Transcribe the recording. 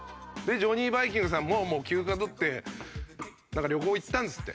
ジョニー・バイキングさんも休暇を取ってなんか旅行行ったんですって。